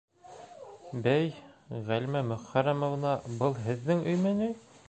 Бәй, Ғәлимә Мөхәррәмовна, был һеҙҙең өймө ни?!